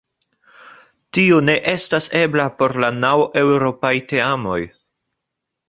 Tio ne estas ebla por la naŭ eŭropaj teamoj.